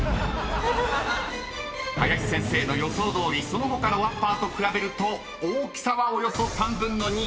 ［林先生の予想どおりその他のワッパーと比べると大きさはおよそ３分の２］